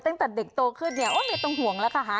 ตั้งแต่เด็กโตขึ้นมีต้องห่วงแล้วค่ะ